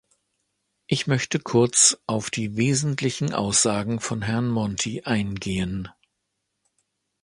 Ich möchte kurz auf die wesentlichen Aussagen von Herrn Monti eingehen.